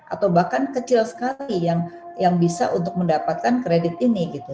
atau bahkan kecil sekali yang bisa untuk mendapatkan kredit ini gitu